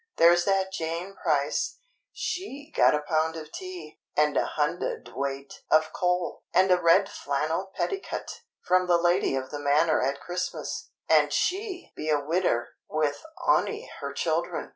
There's that Jane Price, she got a pound of tea, and a hundudweight of coal, and a red flannel petticut, from the lady of the manor at Christmas, and she be a widder with on'y her children.